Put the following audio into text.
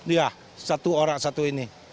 ya satu orang satu ini